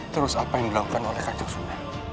terus apa yang dilakukan oleh kanjeng sunan